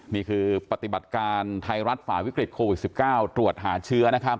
นี่คือปฏิบัติการไทยรัฐฝ่าวิกฤตโควิด๑๙ตรวจหาเชื้อนะครับ